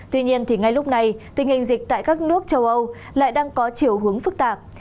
tuy nhiên thì ngay lúc này tình hình dịch tại các nước châu âu lại đang có chiều hướng phức tạp